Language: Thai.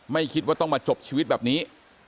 ไม่คิดว่าต้องมาจบชีวิตแบบนี้